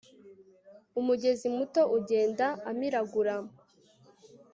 Umugezi muto ugenda amiragura